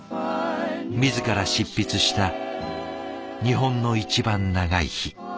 自ら執筆した「日本のいちばん長い日」。